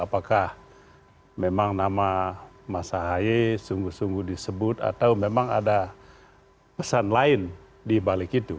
apakah memang nama mas ahy sungguh sungguh disebut atau memang ada pesan lain dibalik itu